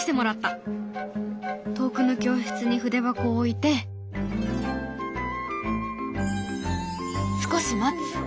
遠くの教室に筆箱を置いて少し待つ。